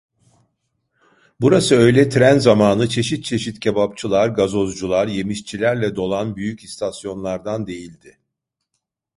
Burası öyle tren zamanı çeşit çeşit kebapçılar, gazozcular, yemişçilerle dolan büyük istasyonlardan değildi.